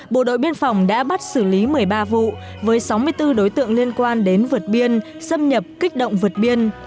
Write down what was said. bộ đội biên phòng đã bắt xử lý một mươi ba vụ với sáu mươi bốn đối tượng liên quan đến vượt biên xâm nhập kích động vượt biên